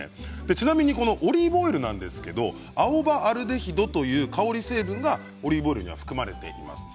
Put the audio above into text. ちなみにオリーブオイルなんですけれど青葉アルデヒドという香り成分がオリーブオイルには含まれています。